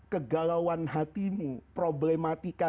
kegalauan hatimu problematika